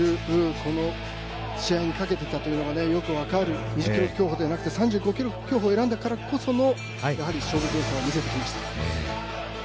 この試合に懸けていたというのがよく分かる、２０ｋｍ競歩ではなく３５ｋｍ競歩を選んだからこそのやはり勝負強さを見せてきました。